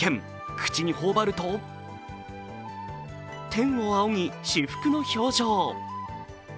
口に頬張ると天を仰ぎ、至福の表情。